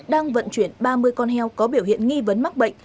đang vận chuyển ba mươi con heo có biểu hiện nghi vấn mắc bệnh